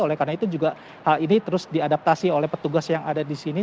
oleh karena itu juga hal ini terus diadaptasi oleh petugas yang ada di sini